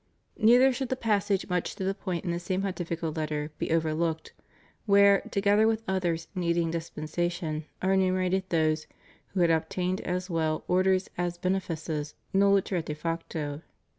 Neither should the passage much to the point in the same Pontifical Letter be over looked, where, together with others needing dispensation, are enumerated those "who had obtained as well orders as benefices nulliter et de facto."